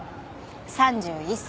３１歳。